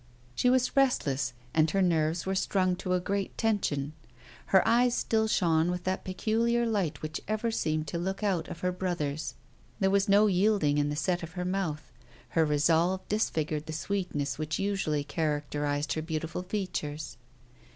She was restless and her nerves were strung to a great tension. Her eyes still shone with that peculiar light which ever seemed to look out of her brother's. There was no yielding in the set of her mouth. Her resolve disfigured the sweetness which usually characterized her beautiful features.